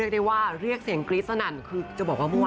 ต้องใช้คำนี้ค่ะต้องใช้คำนี้ค่ะต้องใช้คำนี้ค่ะ